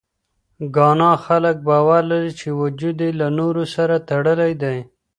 ګانا خلک باور لري، وجود یې له نورو سره تړلی دی.